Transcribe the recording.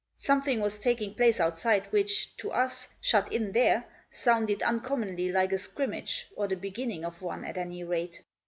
Something was taking place outside which, to us, shut in there, sounded uncommonly like a scrimmage, or the beginning of one, at any rate.